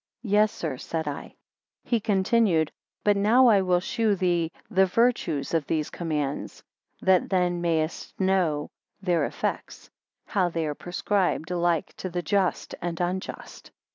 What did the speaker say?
Yes, sir, said I. 2 He continued. But now I will shew thee the virtues of these commands, that then mayest know their effects; how they are prescribed alike to the just and unjust.